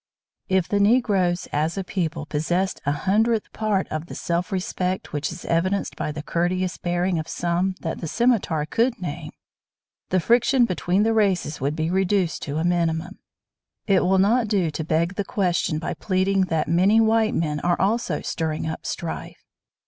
If the Negroes as a people possessed a hundredth part of the self respect which is evidenced by the courteous bearing of some that the Scimitar could name, the friction between the races would be reduced to a minimum. It will not do to beg the question by pleading that many white men are also stirring up strife.